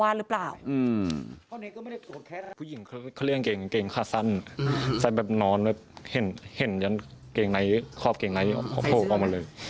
ถุงยางครับ